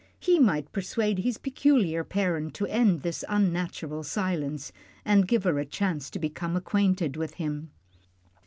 He might persuade his peculiar parent to end this unnatural silence, and give her a chance to become acquainted with him.